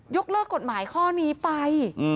เลิกกฎหมายข้อนี้ไป